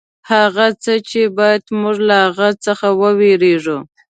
هغه څه چې باید موږ له هغه څخه وېرېږو.